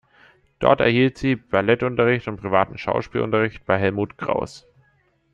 Dort erhielt sie Ballettunterricht und privaten Schauspielunterricht bei Helmuth Krauss.